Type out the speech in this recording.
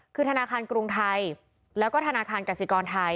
คือธนาคารกรุงไทยแล้วก็ธนาคารกสิกรไทย